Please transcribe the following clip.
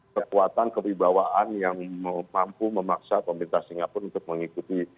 kekuatan kewibawaan yang mampu memaksa pemerintah singapura untuk mengikuti